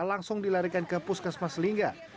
langsung dilarikan ke puskesmas lingga